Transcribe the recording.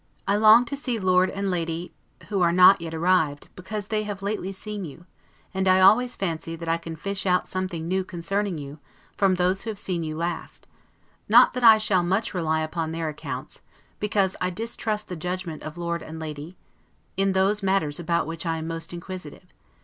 I long to see Lord and Lady (who are not yet arrived), because they have lately seen you; and I always fancy, that I can fish out something new concerning you, from those who have seen you last: not that I shall much rely upon their accounts, because I distrust the judgment of Lord and Lady , in those matters about which I am most inquisitive.